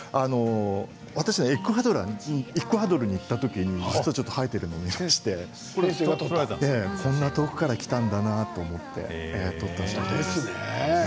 私はエクアドルに行った時に生えているのを見ましてこんな遠くから来たんだなと思って撮った写真です。